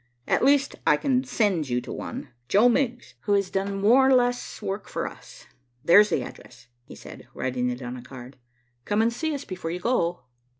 "At least I can send you to one, Joe Miggs, who has done more or less work for us. There's the address," he said, writing it on a card. "Come and see us before you go."